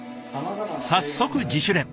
早速自主練。